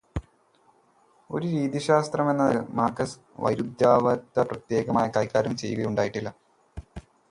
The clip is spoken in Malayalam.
ഒരു രീതിശാസ്ത്രമെന്ന നിലക്ക് മാർക്സ് വൈരുധ്യവാദത്തെ പ്രത്യേകമായി കൈകാര്യം ചെയ്യുകയുണ്ടായിട്ടില്ല.